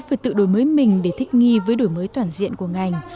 phải tự đổi mới mình để thích nghi với đổi mới toàn diện của ngành